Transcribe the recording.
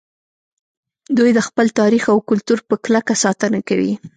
دوی د خپل تاریخ او کلتور په کلکه ساتنه کوي